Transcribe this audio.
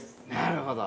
◆なるほど。